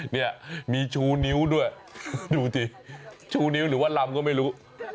เนี่ยมีชูนิ้วด้วยดูสิชูนิ้วหรือว่าลำก็ไม่รู้